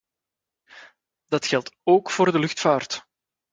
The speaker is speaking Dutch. Dat geldt ook voor de luchtvaart.